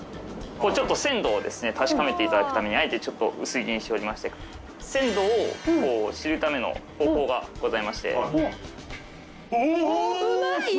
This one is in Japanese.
これちょっと鮮度を確かめていただくためにあえてちょっと薄切りにしておりまして鮮度を知るための方法がございまして。